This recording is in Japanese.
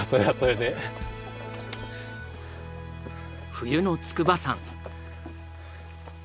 冬の筑波山。